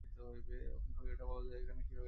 কমপক্ষে এটা তো বলো যে, এখানে কীভাবে এলে?